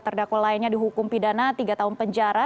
terdakwa lainnya dihukum pidana tiga tahun penjara